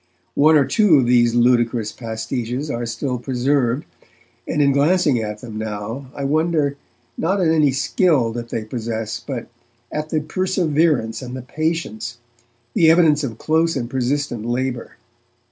One or two of these ludicrous pastiches are still preserved, and in glancing at them now I wonder, not at any skill that they possess, but at the perseverance and the patience, the evidence of close and persistent labour.